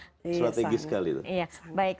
strategi sekali itu